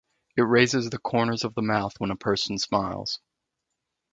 It raises the corners of the mouth when a person smiles.